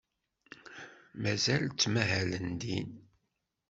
Mazal ttmahalen din?